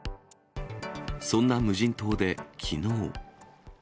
そんな無人島できのう。